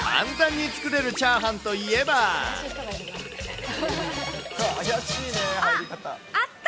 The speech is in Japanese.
簡単に作れるチャーハンといあっ、あった！